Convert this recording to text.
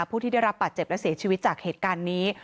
ผู้ที่ได้รับบาดเจ็บและเสียชีวิตจากเหตุการณ์นี้